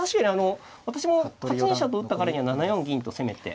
私も８ニ飛車と打ったからには７四銀と攻めて。